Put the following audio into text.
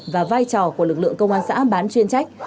và vai trò của lực lượng công an xã bán chuyên trách